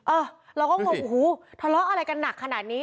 เออเราก็งงโอ้โหทะเลาะอะไรกันหนักขนาดนี้